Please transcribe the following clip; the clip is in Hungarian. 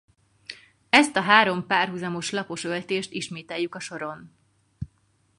Ezt a három párhuzamos lapos öltést ismételjük a soron.